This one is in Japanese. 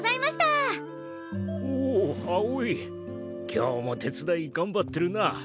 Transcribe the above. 今日も手伝いがんばってるな。